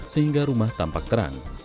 sehingga rumah tampak terang